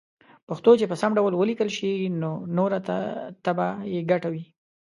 پښتو چې په سم ډول وليکلې شي نو نوره ته به يې ګټه وي